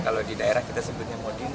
kalau di daerah kita sebutnya modin itu juga